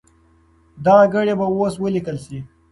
دغه ګړې به اوس ولیکل سي.